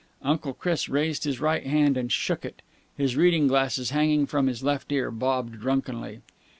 Uncle Chris raised his right hand, and shook it. His reading glasses, hanging from his left ear, bobbed drunkenly.